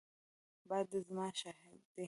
باد د زمانو شاهد دی